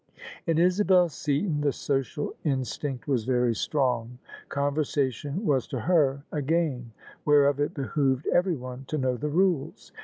In Isabel Seaton the social instinct was very strong. Con versation was to her a game, whereof it behoved everyone to know the rules.